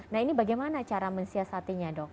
nah ini bagaimana cara mensiasatinya dok